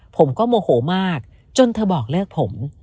ผมก็โมโหมากจนเธอบอกเลิกผม